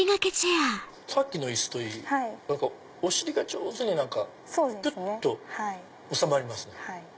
さっきの椅子といいお尻が上手にぷっと収まりますね。